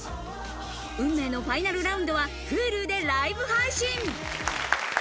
運命のファイナルラウンドはＨｕｌｕでライブ配信。